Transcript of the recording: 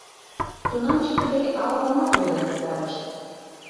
Тунам чытыде ала-момат ойлен пытарышт.